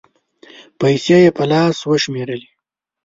پېسې یې په لاس و شمېرلې